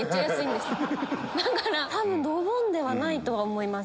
だから多分ドボンではないとは思います。